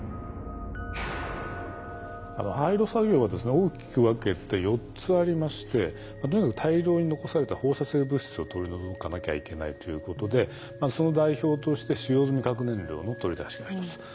廃炉作業はですね大きく分けて４つありましてとにかく大量に残された放射性物質を取り除かなきゃいけないということでまずその代表として使用済み核燃料の取り出しが一つ。